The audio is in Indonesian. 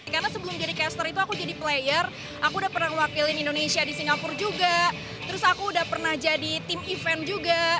karena sebelum jadi caster itu aku jadi player aku udah pernah mewakili indonesia di singapura juga terus aku udah pernah jadi tim event juga